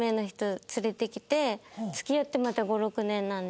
付き合ってまた５６年なので。